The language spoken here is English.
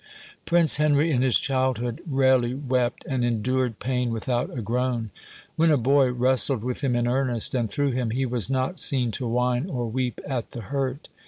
Prince Henry in his childhood rarely wept, and endured pain without a groan. When a boy wrestled with him in earnest, and threw him, he was not "seen to whine or weep at the hurt."